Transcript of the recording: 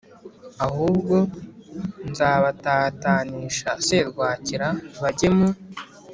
Ahubwo nzabatatanisha serwakira bajye mu